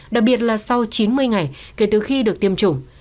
đặc biệt là sau chín mươi ngày kể từ khi được tiêm chủng